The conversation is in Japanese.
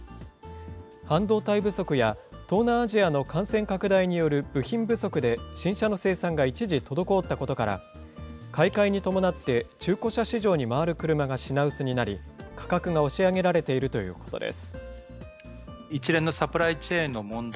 半導体不足や、東南アジアの感染拡大による部品不足で、新車の生産が一時滞ったことから、買い替えに伴って、中古車市場に回る車が品薄になり、価格が押し上げられているということです。